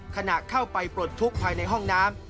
ขณะเข้าไปปลดทุกข์ภายในห้องน้ำ